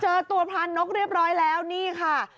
เจอตัวพรานกเรียบร้อยแล้วนี่ค่ะ